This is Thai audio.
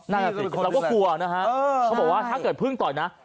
นั่นแหละสิเราก็กลัวนะฮะเขาบอกว่าถ้าเกิดพึ่งต่อยนะ